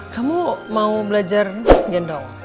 kamu mau belajar gendong